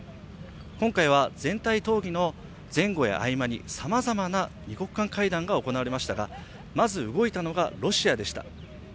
今回は全体討議の前後や合間にさまざまな二国間会談が行われましたがまず動いたのがロシアでした。